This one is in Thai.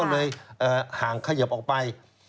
ก็เลยห่างขยับออกไป